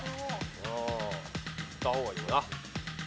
いった方がいいよな。